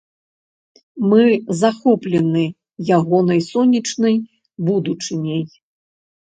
Мы захоплены ягонай сонечнай будучыняй.